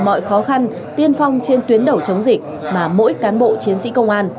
mọi khó khăn tiên phong trên tuyến đầu chống dịch mà mỗi cán bộ chiến sĩ công an